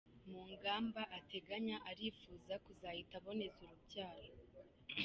Mu ngamba ateganya arifuza kuzahita aboneza urubyaro.